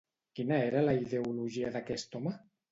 Quina era la ideologia d'aquest home?